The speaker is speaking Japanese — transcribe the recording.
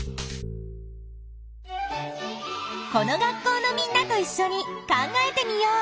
この学校のみんなといっしょに考えてみよう！